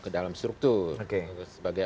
ke dalam struktur sebagai